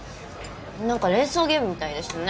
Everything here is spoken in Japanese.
なんか連想ゲームみたいですね。